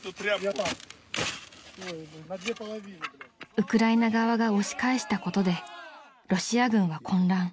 ［ウクライナ側が押し返したことでロシア軍は混乱］